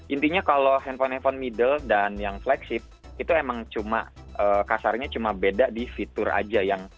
intinya kalau handphone handphone middle dan yang flagship itu emang cuma kasarnya cuma beda di fitur aja yang